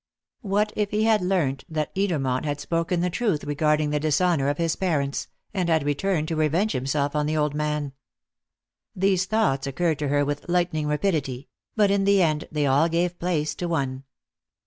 What if he had learnt that Edermont had spoken the truth regarding the dishonour of his parents, and had returned to revenge himself on the old man? These thoughts occurred to her with lightning rapidity; but in the end they all gave place to one.